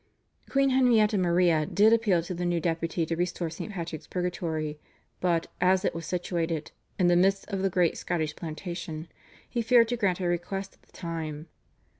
Queen Henrietta Maria did appeal to the new Deputy to restore St. Patrick's Purgatory, but, as it was situated "in the midst of the great Scottish Plantation," he feared to grant her request at the time.